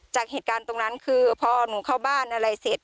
จากเหตุการณ์ตรงนั้นคือพอหนูเข้าบ้านอะไรเสร็จ